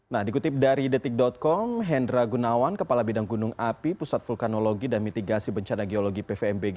nah dikutip dari detik com hendra gunawan kepala bidang gunung api pusat vulkanologi dan mitigasi bencana geologi pvmbg